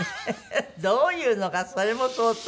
どういうのかそれも相当。